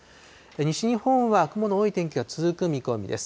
西日本は雲の多い天気が続く見込みです。